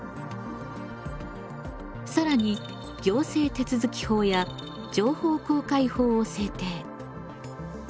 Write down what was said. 更に行政手続法や情報公開法を制定。